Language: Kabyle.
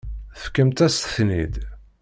Tefkamt-as-ten-id.